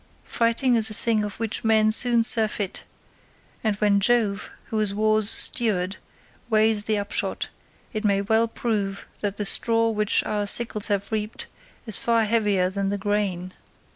Fighting is a thing of which men soon surfeit, and when Jove, who is war's steward, weighs the upshot, it may well prove that the straw which our sickles have reaped is far heavier than the grain.